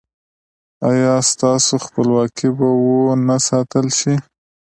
ایا ستاسو خپلواکي به و نه ساتل شي؟